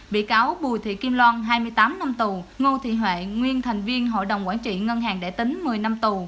bị cáo bùi thị kim loan hai mươi tám năm tù ngô thị huệ nguyên thành viên hội đồng quản trị ngân hàng đại tính một mươi năm tù